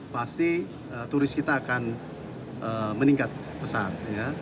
pasti turis kita akan meningkat pesat